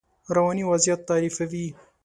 رواني وضعیت تعریفوي.